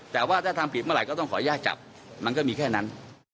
แต่ว่าถ้าทำผิดเมื่อไหร่ก็ต้องขออนุญาตจับมันก็มีแค่นั้น